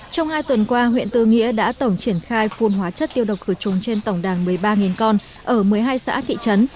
trong hai tuần qua huyện tư nghĩa đã tổng triển khai phun hóa chất tiêu độc khử trùng trên tổng đàn một mươi ba con ở một mươi hai xã thị trấn